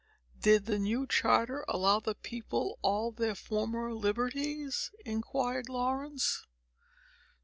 "Did the new charter allow the people all their former liberties?" inquired Laurence.